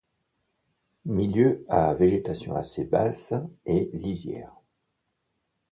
Milieux à végétation assez basse et lisières.